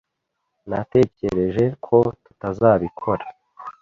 Natekereje ko tutazabikora.